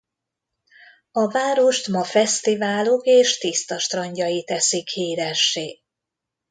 A várost ma fesztiválok és tiszta strandjai teszik híressé.